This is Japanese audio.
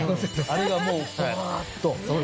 あれがもうバっと。